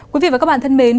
quý vị và các bạn thân mến